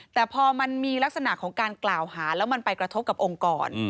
แต่พอมันมีลักษณะของการกล่าวหาแล้วมันไปกระทบกับองค์กร